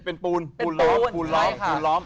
เป็นปูนปูนล้อม